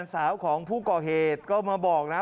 สาวของผู้ก่อเหตุก็มาบอกนะ